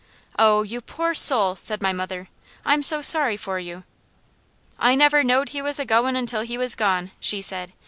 "Oh you poor soul!" said my mother. "I'm so sorry for you!" "I never knowed he was a goin' until he was gone," she said.